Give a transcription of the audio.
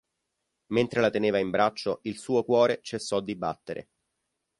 Mentre la teneva in braccio, il suo cuore cessò di battere.